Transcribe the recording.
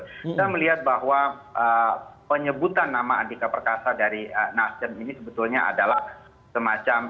kita melihat bahwa penyebutan nama andika perkasa dari nasdem ini sebetulnya adalah semacam